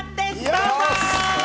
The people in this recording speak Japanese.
どうぞ！